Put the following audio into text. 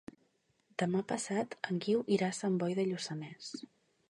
Demà passat en Guiu irà a Sant Boi de Lluçanès.